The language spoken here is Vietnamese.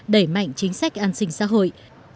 đẩy mạnh chính sách an sinh xã hội